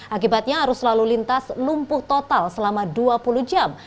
akibatnya arus lalu lintas lumpuh total selama dua puluh jam